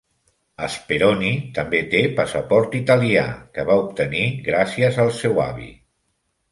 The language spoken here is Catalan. Speroni també té passaport italià, que va obtenir gràcies al seu avi.